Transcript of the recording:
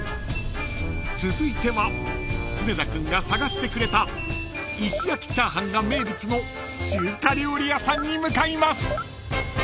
［続いては常田君が探してくれた石焼チャーハンが名物の中華料理屋さんに向かいます］